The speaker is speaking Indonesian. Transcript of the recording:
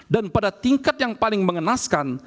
dan pada tingkat yang paling mengenaskan